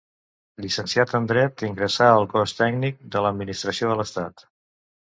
Llicenciat en dret, ingressà al Cos Tècnic de l'Administració de l'Estat.